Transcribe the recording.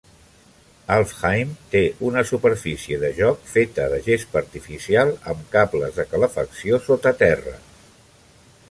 Alfheim té una superfície de joc feta de gespa artificial amb cables de calefacció sota terra.